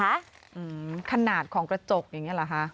อืมขนาดของกระจกอย่างเงี้เหรอคะ